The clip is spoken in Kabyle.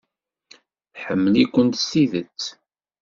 Tḥemmel-ikent s tidet.